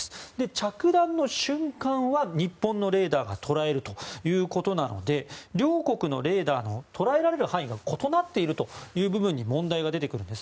着弾の瞬間は日本のレーダーが捉えるということなので両国のレーダーの捉えられる範囲が異なっているという部分に問題が出てくるんです。